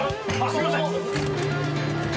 すいません！